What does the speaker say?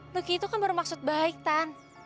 luki itu kan baru maksud baik tan